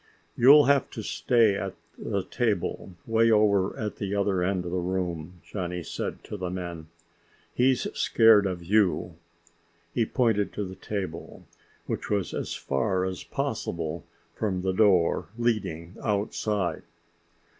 "You'll have to stay at the table, way over at the other end of the room," Johnny said to the men. "He's scared of you." He pointed to the table, which was as far as possible from the door leading outside.